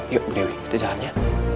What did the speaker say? yuk bu dewi kita jalan ya